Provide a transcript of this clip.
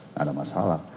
nggak ada masalah